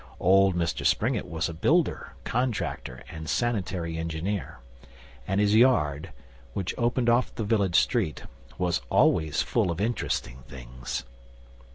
Old Mr Springett was a builder, contractor, and sanitary engineer, and his yard, which opened off the village street, was always full of interesting things.